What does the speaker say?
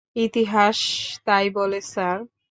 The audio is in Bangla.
ইতিহাস তাই বলে স্যার।